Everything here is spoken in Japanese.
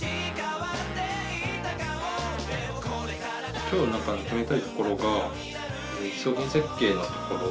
今日つめたいところが商品設計のところ。